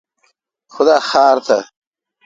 خدا خار تھہ۔